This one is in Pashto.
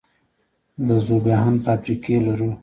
د ذوب اهن فابریکې لرو؟